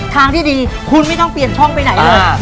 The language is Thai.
ทางที่ดีคุณไม่ต้องเปลี่ยนช่องไปไหนเลย